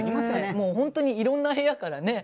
もうほんとにいろんな部屋からね。